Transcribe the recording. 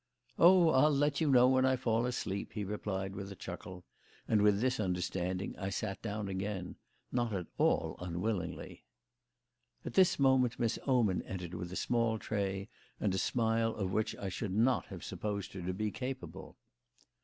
"Oh, I'll let you know when I fall asleep," he replied, with a chuckle; and with this understanding I sat down again not at all unwillingly. At this moment Miss Oman entered with a small tray and a smile of which I should not have supposed her to be capable.